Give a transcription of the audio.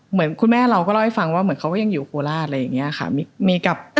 เหมือนคุณแม่เราก็เล่าให้ฟังว่าเหมือนเขาก็ยังอยู่โคราชอะไรอย่างนี้ค่ะ